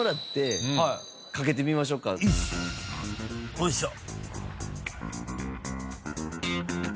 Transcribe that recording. よいしょ。